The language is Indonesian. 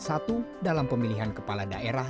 satu dalam pemilihan kepala daerah